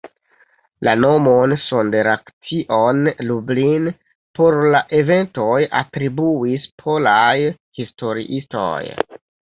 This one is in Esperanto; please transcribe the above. La nomon "Sonderaktion Lublin" por la eventoj atribuis polaj historiistoj.